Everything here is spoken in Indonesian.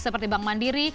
seperti bank mandiri